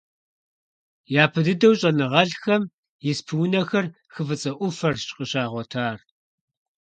Япэ дыдэу щIэныгъэлIхэм испы унэхэр хы ФIыцIэ Iуфэрщ къыщагъуэтар.